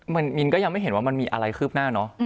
มันมินก็ยังไม่เห็นว่ามันมีอะไรคืบหน้าเนอะ